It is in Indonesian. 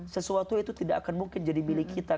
sesuatu itu tidak akan mungkin jadi milik kita